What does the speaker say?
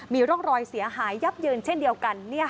มีร่องรอยเสียหายยับเยินเช่นเดียวกัน